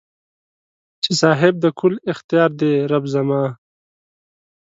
چې صاحب د کل اختیار دې رب زما